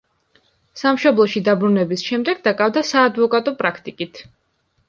სამშობლოში დაბრუნების შემდეგ დაკავდა საადვოკატო პრაქტიკით.